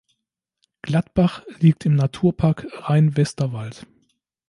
Gladbach liegt im Naturpark Rhein-Westerwald.